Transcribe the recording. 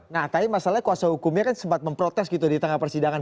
nah tapi masalahnya kuasa hukumnya kan sempat memprotes gitu di tengah persidangan